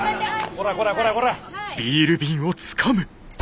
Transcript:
こらこらこらこら。